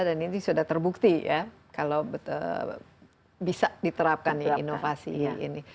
dan ini sudah terbukti ya kalau bisa diterapkan ini inovasi ini